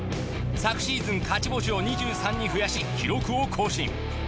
昨シーズン勝ち星を２３に増やし記録を更新。